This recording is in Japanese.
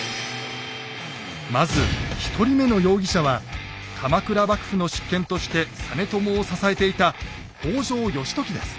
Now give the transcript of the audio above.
まず１人目の容疑者は鎌倉幕府の執権として実朝を支えていた北条義時です。